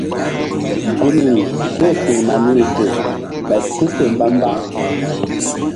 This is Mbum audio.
Gunri ké-e firma niri fe ɓay tu fe mbamba.